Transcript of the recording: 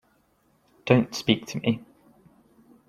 Don't speak to me.